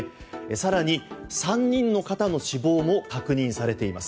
更に、３人の方の死亡も確認されています。